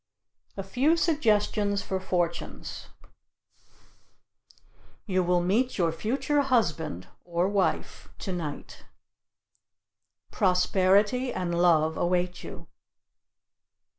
A FEW SUGGESTIONS FOR FORTUNES. You will meet your future husband (or wife) to night. Prosperity and love await you.